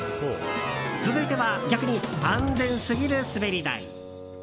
続いては逆に安全すぎる滑り台。